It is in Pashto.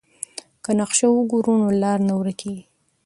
که نقشه وګورو نو لار نه ورکيږي.